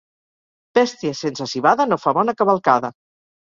Bèstia sense civada no fa bona cavalcada.